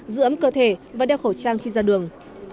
giữ ấm cơ thể và đeo khẩu trang khi ra đường